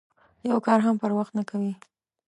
یو کار هم پر وخت نه کوي.